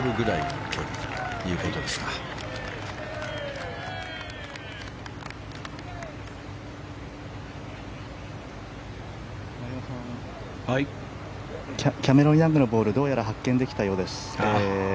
丸山さんキャメロン・ヤングのボールどうやら発見できたようです。